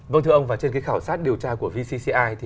vâng thưa ông và trên khảo sát điều tra của vcci